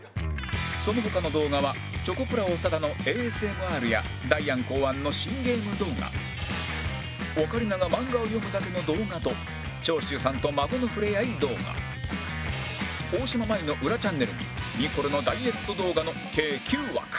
その他の動画はチョコプラ長田の ＡＳＭＲ やダイアン考案の新ゲーム動画オカリナが漫画を読むだけの動画と長州さんと孫の触れ合い動画「大島麻衣の裏チャンネル」にニコルのダイエット動画の計９枠